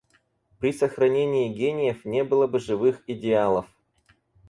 При сохранении гениев не было бы живых идеалов.